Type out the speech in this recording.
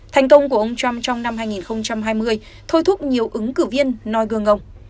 thành công của ông trump trong năm hai nghìn hai mươi thôi thúc nhiều ứng cử viên noi gương ngong